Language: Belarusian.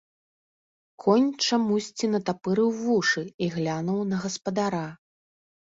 Конь чамусьці натапырыў вушы і глянуў на гаспадара.